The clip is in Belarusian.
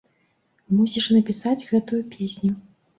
Мусіш напісаць гэтую песню!